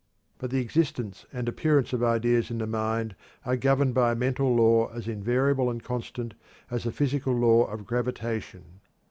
But the existence and appearance of ideas in the mind are governed by a mental law as invariable and constant as the physical law of gravitation.